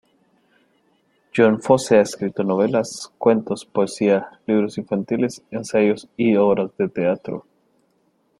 Jon Fosse ha escrito novelas, cuentos, poesía, libros infantiles, ensayos y obras de teatro.